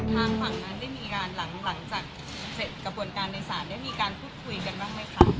ทางฝั่งนั้นได้มีการหลังจากเสร็จกระบวนการในศาลได้มีการพูดคุยกันบ้างไหมคะ